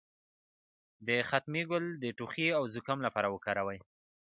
د ختمي ګل د ټوخي او زکام لپاره وکاروئ